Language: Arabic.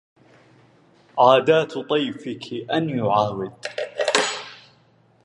عادات طيفك أن يعاود